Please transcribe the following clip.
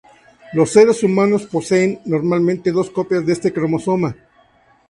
Los seres humanos poseen normalmente dos copias de este cromosoma.